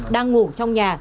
đang ngủ trong nhà